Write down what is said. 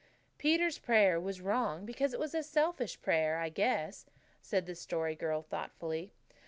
"Peter's prayer was wrong because it was a selfish prayer, I guess," said the Story Girl thoughtfully.